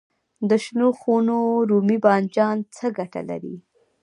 د شنو خونو رومي بانجان څه ګټه لري؟